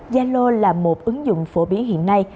yalo là một ứng dụng phổ biến hiện nay